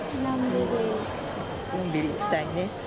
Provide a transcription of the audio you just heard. のんびりしたいね。